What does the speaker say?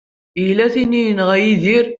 Tella tin i yenɣa Yidir.